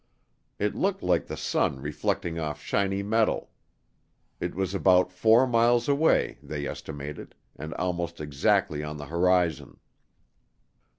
It looked like the sun reflecting off shiny metal. It was about four miles away, they estimated, and almost exactly on the horizon.